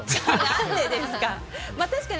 何でですか。